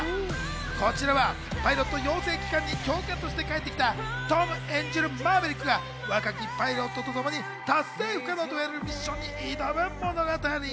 こちらはパイロット養成機関に教官として帰ってきた、トム演じるマーヴェリックが若きパイロットとともに達成不可能といわれるミッションに挑む物語。